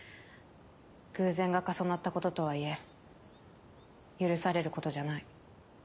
偶然が重なったこととはいえ許されることじゃない。